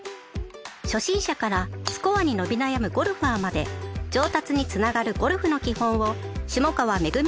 初心者からスコアに伸び悩むゴルファーまで上達につながるゴルフの基本を下川めぐみ